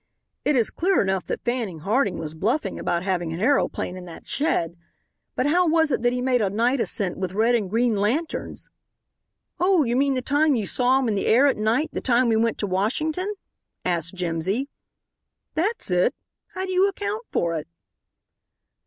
It is clear enough that Fanning Harding was bluffing about having an aeroplane in that shed, but how was it that he made a night ascent with red and green lanterns?" "Oh, you mean the time you saw him in the air at night, the time we went to Washington?" asked Jimsy. "That's it. How do you account for it?"